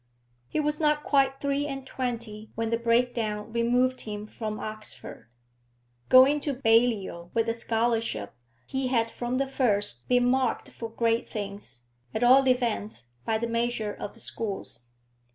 He was not quite three and twenty when the break down removed him from Oxford. Going to Balliol with a scholarship, he had from the first been marked for great things, at all events by the measure of the schools.